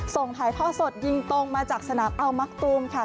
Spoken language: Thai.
ส่งถ่ายท่อสดยิงตรงมาจากสนามอัลมักตูมค่ะ